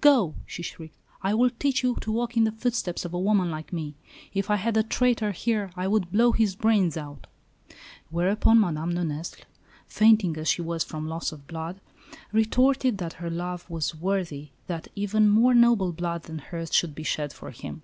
"Go!" she shrieked. "I will teach you to walk in the footsteps of a woman like me! If I had the traitor here, I would blow his brains out!" Whereupon, Madame de Nesle, fainting as she was from loss of blood, retorted that her lover was worthy that even more noble blood than hers should be shed for him.